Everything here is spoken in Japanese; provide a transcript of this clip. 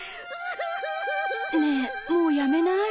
ねえもうやめない？